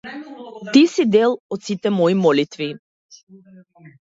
Ти си дел од сите мои молитви.